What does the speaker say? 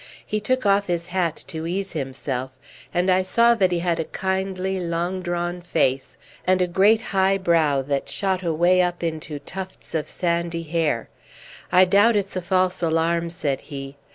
He took off his hat to ease himself, and I saw that he had a kindly long drawn face, and a great high brow that shot away up into tufts of sandy hair. "I doubt it's a false alarm," said he.